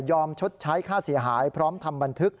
ชดใช้ค่าเสียหายพร้อมทำบันทึก